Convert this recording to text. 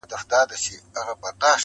چي په کلي په مالت کي وو ښاغلی-